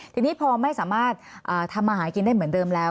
ทีนี้พอไม่สามารถทำอาหารกินได้เหมือนเดิมแล้ว